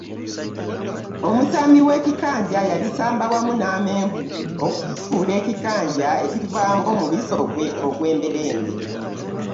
Omusambi w’ekikanja yalisamba wamu n’amenvu okukifuula ekikanja ekivaamu omubisi ogw’emberenge.